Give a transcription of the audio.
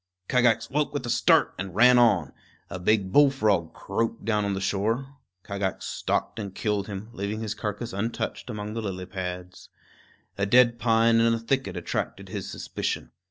Kagax woke with a start and ran on. A big bullfrog croaked down on the shore. Kagax stalked and killed him, leaving his carcass untouched among the lily pads. A dead pine in a thicket attracted his suspicion.